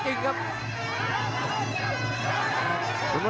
หน้าสัดกันกันดูเดือนครับ